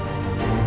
mas ini udah selesai